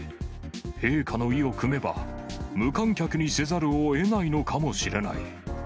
陛下の意をくめば、無観客にせざるをえないのかもしれない。